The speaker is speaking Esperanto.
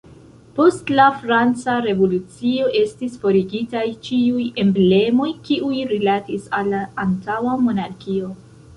Post la Franca Revolucio estis forigitaj ĉiuj emblemoj, kiuj rilatis al la antaŭa monarkio.